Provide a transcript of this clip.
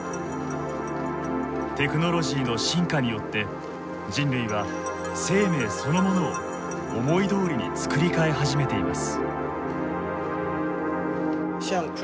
テクノロジーの進化によって人類は生命そのものを思いどおりに作りかえ始めています。